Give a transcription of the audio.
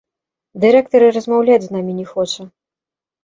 Дырэктар і размаўляць з намі не хоча.